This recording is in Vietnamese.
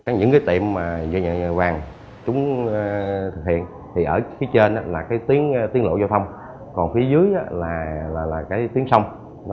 những cái tiệm vàng chúng thực hiện thì ở phía trên là cái tiến lộ giao thông còn phía dưới là cái tiếng sông